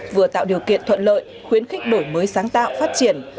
vừa tạo điều kiện thuận lợi khuyến khích đổi mới sáng tạo phát triển